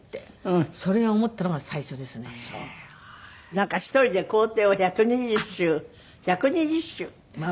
なんか１人で校庭を１２０周１２０周回った？